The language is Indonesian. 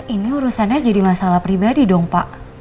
ini urusannya jadi masalah pribadi dong pak